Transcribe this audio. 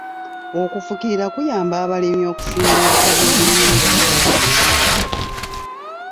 Okufukirira kuyamba abalimi okusimba ebika by'ebirime eby'enjawulo mu mwaka.